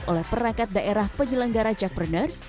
oleh perangkat daerah penyelenggara jackpreneur